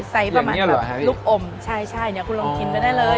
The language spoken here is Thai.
สไซส์สมะลึกอมคุณลองกินก็ได้เลย